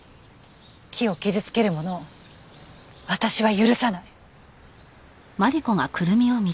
木を傷つける者を私は許さない！